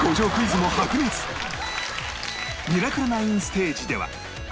『ミラクル９』ステージでは